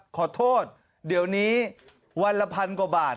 ขอโทษเดี๋ยวนี้วันละพันกว่าบาท